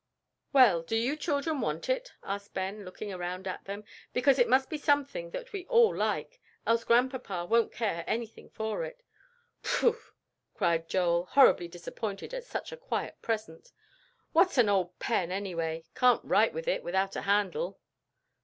"Well, do you children want it?" asked Ben, looking around at them, "because it must be something that we all like, else Grandpapa won't care anything for it." "Phoo!" cried Joel, horribly disappointed at such a quiet present. "What's an old pen, anyway? Can't write with it, without a handle."